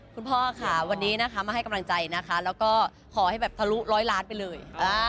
คุณพ่อวันนี้มาให้กำลังใจนะคะขอให้สรุปร้อยล้านไปเลย